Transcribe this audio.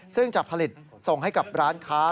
ซึ่งจะผลิตส่งให้กับร้านค้า